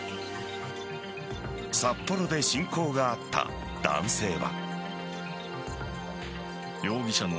札幌で親交があった男性は。